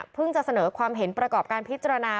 จะเสนอความเห็นประกอบการพิจารณา